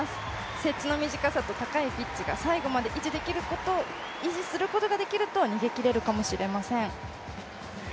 接地の短さとピッチの速さが最後まで維持することができると逃げ切れるかもしれません。